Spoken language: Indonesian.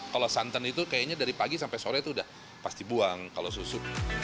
kalau santan itu kayaknya dari pagi sampai sore itu udah pasti buang kalau susu